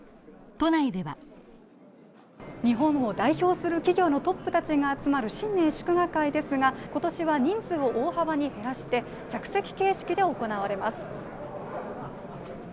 都内では日本を代表する企業のトップたちが集まる新年祝賀会ですが、今年は人数を大幅に減らして着席形式で行われます。